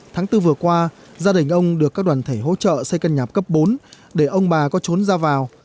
tháng bốn vừa qua gia đình ông được các đoàn thể hỗ trợ xây căn nhà cấp bốn để ông bà có trốn ra vào